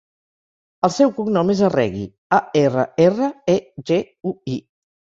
El seu cognom és Arregui: a, erra, erra, e, ge, u, i.